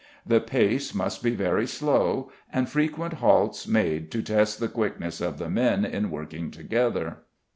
The pace must be very slow, and frequent halts made to test the quickness of the men in working together.